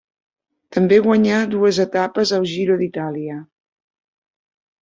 També guanyà dues etapes al Giro d'Itàlia.